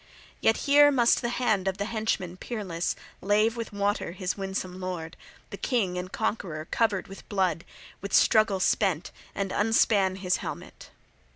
Yet here must the hand of the henchman peerless lave with water his winsome lord, the king and conqueror covered with blood, with struggle spent, and unspan his helmet.